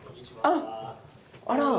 あっあら。